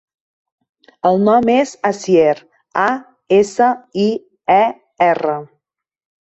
El nom és Asier: a, essa, i, e, erra.